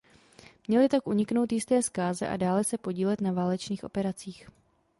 Měly tak uniknout jisté zkáze a dále se podílet na válečných operacích.